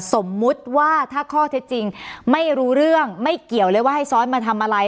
สมมุติว่าถ้าข้อเท็จจริงไม่รู้เรื่องไม่เกี่ยวเลยว่าให้ซ้อนมาทำอะไร